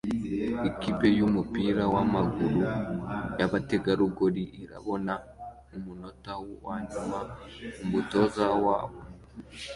Ikipe yumupira wamaguru yabategarugori irabona umunota wanyuma umutoza wabo